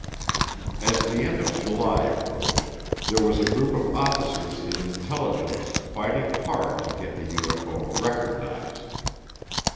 As the end of July approached, there was a group of officers in intelligence fighting hard to get the UFO "recognized."